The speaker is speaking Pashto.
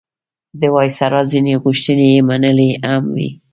د وایسرا ځینې غوښتنې یې منلي هم وې.